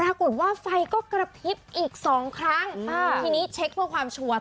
ปรากฏว่าไฟก็กระพริบอีกสองครั้งอ่าทีนี้เช็คเพื่อความชัวร์